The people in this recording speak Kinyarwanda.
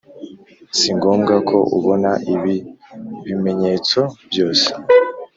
si ngombwa ko ubona ibi bemenyetso byose